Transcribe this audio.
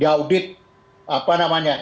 diaudit apa namanya